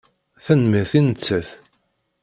Tanemmirt i nettat.